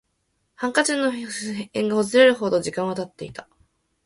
ハンカチの縁がほつれるほど時間は経っていた